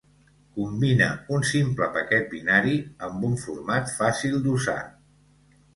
Combina un simple paquet binari amb un format fàcil d'usar.